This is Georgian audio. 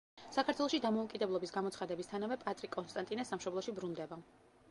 საქართველოში დამოუკიდებლობის გამოცხადებისთანავე პატრი კონსტანტინე სამშობლოში ბრუნდება.